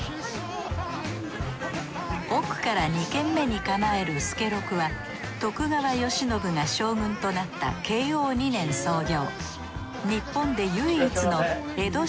奥から２軒目に構える助六は徳川慶喜が将軍となった慶応２年創業